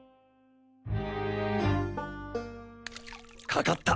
かかった。